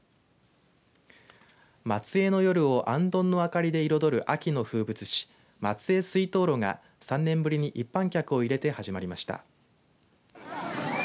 松江の夜をあんどんの明かりで彩る秋の風物詩、松江水燈路が３年ぶりに一般客を入れて始まりました。